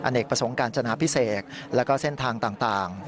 เนกประสงค์การจนาพิเศษแล้วก็เส้นทางต่าง